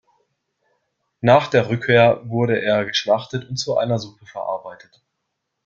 Nach der Rückkehr wurde er geschlachtet und zu einer Suppe verarbeitet.